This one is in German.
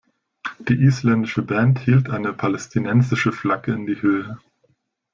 Die isländische Band hielt eine palästinensische Flagge in die Höhe.